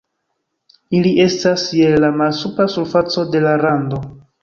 Ili estas je la malsupra surfaco de la rando.